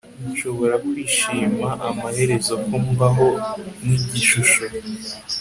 Nshobora kwishima amaherezo Ko mbaho nkigishusho